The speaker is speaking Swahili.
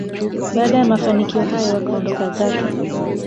baada ya mafanikio hayo akaondoka zake